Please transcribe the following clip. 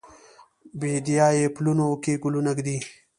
بیدیا یې پلونو کې ګلونه ایږدي